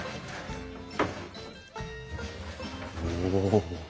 お。